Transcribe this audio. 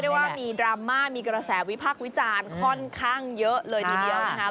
เรียกว่ามีดราม่ามีกระแสวิพักวิจารค่อนข้างเยอะเลยทีเดียว